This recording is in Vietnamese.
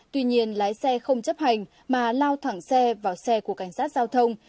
tuy nhiên lái xe không chấp hành mà lao thẳng xe vào xe của cảnh sát giao thông